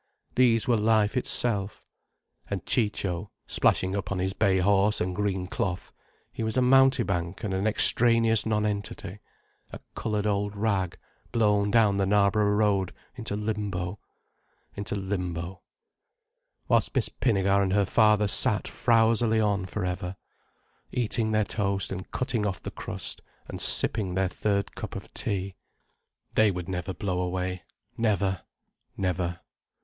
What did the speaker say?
These were life itself. And Ciccio, splashing up on his bay horse and green cloth, he was a mountebank and an extraneous nonentity, a coloured old rag blown down the Knarborough Road into Limbo. Into Limbo. Whilst Miss Pinnegar and her father sat frowsily on for ever, eating their toast and cutting off the crust, and sipping their third cup of tea. They would never blow away—never, never.